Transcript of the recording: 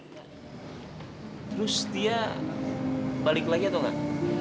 terus dia balik lagi atau enggak